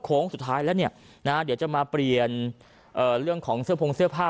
สุดท้ายแล้วเนี่ยนะเดี๋ยวจะมาเปลี่ยนเรื่องของเสื้อพงเสื้อผ้า